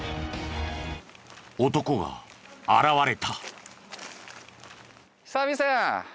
男が現れた。